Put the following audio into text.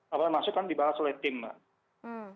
apa maksud kan dibahas oleh tim mbak